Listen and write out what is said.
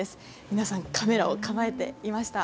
皆さんカメラを構えていました。